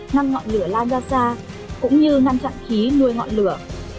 ngăn ngọn lửa lan ra xa cũng như ngăn chặn khí nuôi ngọn lửa